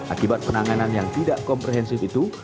akibat penanganan yang tidak komprehensif itu